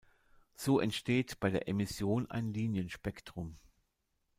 So entsteht bei der Emission ein Linienspektrum.